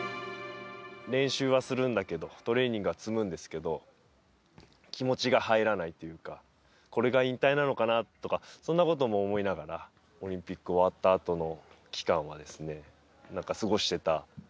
練習はするんだけど、トレーニングは積むんですけど、気持ちが入らないというか、これが引退なのかなとか、そんなことも思いながら、オリンピック終わったあとの期間はですね、なんか、過ごしてた。